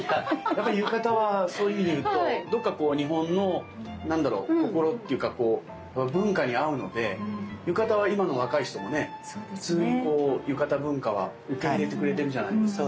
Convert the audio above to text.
やっぱり浴衣はそういう意味でいうとどっかこう日本の何だろう心っていうかこう文化に合うので浴衣は今の若い人もね普通にこう浴衣文化は受け入れてくれてるじゃないですか。